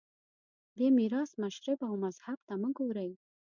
دې میراث مشرب او مذهب ته مه ګورئ